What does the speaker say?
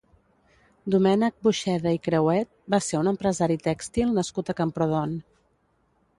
Domènec Buxeda i Crehuet va ser un empresari tèxtil nascut a Camprodon.